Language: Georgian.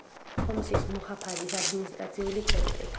ჰომსის მუჰაფაზის ადმინისტრაციული ცენტრი.